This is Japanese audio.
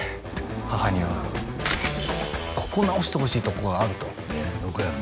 母にはここ直してほしいとこがあるとどこやの？